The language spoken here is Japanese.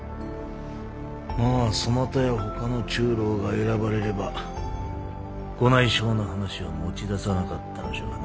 まぁそなたやほかの中臈が選ばれればご内証の話は持ち出さなかったのじゃがな。